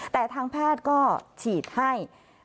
แต่ทางแพทย์ก็ฉีดให้